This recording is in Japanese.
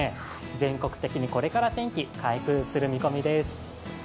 全国的にこれから天気、回復する見込みです。